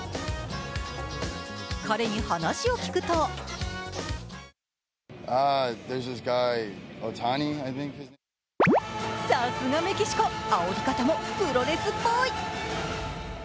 彼に話を聞くとさすがメキシコ、あおり方もプロレスっぽい。